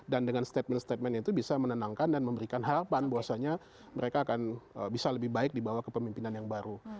dan dengan statement statement itu bisa menenangkan dan memberikan harapan bahwasanya mereka akan bisa lebih baik di bawah kepemimpinan yang baru